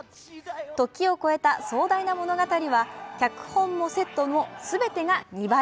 時を超えた壮大な物語は脚本もセットも全てが２倍。